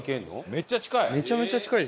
めっちゃ近い！